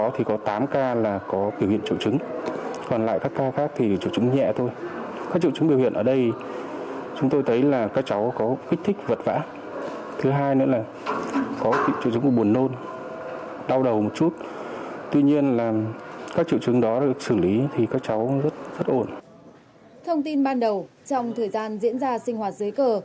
thông tin ban đầu trong thời gian diễn ra sinh hoạt giới cờ